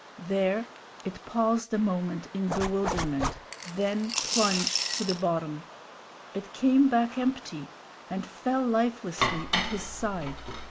There it paused a moment in bewilderment, then plunged to the bottom. It came back empty, and fell lifelessly at his side.